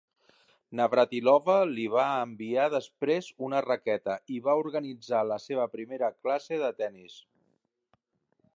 Navratilova li va enviar després una raqueta i va organitzar la seva primera classe de tenis.